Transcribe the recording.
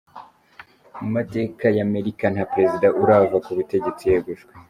Mu mateka y'Amerika, nta perezida urava ku butegetsi yegujwe.